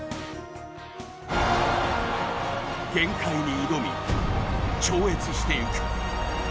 限界に挑み、超越していく。